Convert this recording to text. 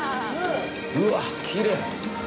うわっ、きれい！